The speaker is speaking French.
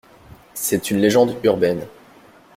C'est une légende urbaine.